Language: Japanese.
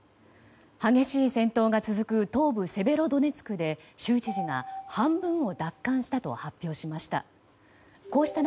激しい戦闘が続く東部セベロドネツクで州知事が半分を奪還したと発表しました。